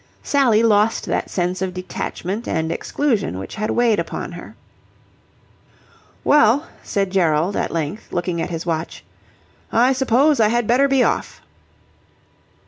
Sally lost that sense of detachment and exclusion which had weighed upon her. "Well," said Gerald, at length, looking at his watch, "I suppose I had better be off."